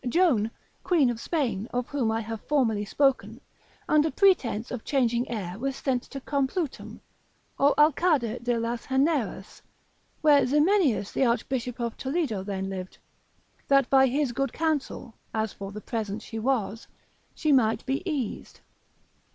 Joan, queen of Spain, of whom I have formerly spoken, under pretence of changing air was sent to Complutum, or Alcada de las Heneras, where Ximenius the archbishop of Toledo then lived, that by his good counsel (as for the present she was) she might be eased.